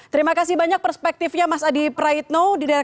terima kasih banyak perspektifnya mas adi praitno